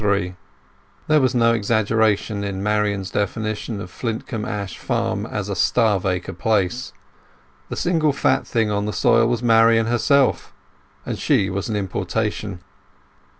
XLIII There was no exaggeration in Marian's definition of Flintcomb Ash farm as a starve acre place. The single fat thing on the soil was Marian herself; and she was an importation.